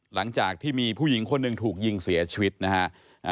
หลังจากที่มีผู้หญิงคนหนึ่งถูกยิงเสียชีวิตนะฮะ